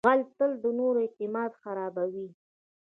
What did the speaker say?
غل تل د نورو اعتماد خرابوي